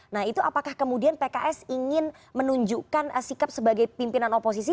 nah itu apakah kemudian pks ingin menunjukkan sikap sebagai pimpinan oposisi